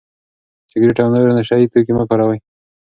سګرټ او نور نشه يي توکي مه کاروئ.